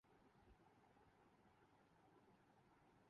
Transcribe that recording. ‘نے دوچیزیں کیں۔